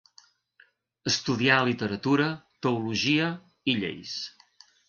Estudià literatura, teologia, i lleis.